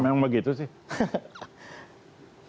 memang begitu sih